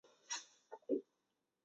亚参爪哇。